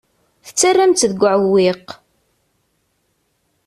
Tettarram-tt deg uɛewwiq.